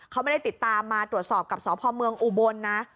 เขาไม่ได้ติดตามมาตรวจสอบกับสพเมืองอุบลนะ